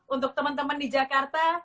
untuk teman teman di jakarta